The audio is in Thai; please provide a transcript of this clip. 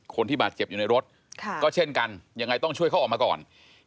คนที่บาดเจ็บอยู่ในรถก็เช่นกันยังไงต้องช่วยเขาออกมาก่อน